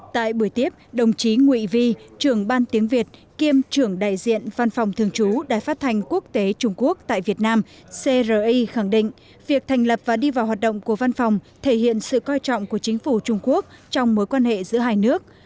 tại buổi tiếp đồng chí nguy vi trưởng ban tiếng việt kiêm trưởng đại diện văn phòng thường trú đài phát thanh quốc tế trung quốc tại việt nam cri khẳng định việc thành lập và đi vào hoạt động của văn phòng thể hiện sự coi trọng của chính phủ trung quốc trong mối quan hệ giữa hai nước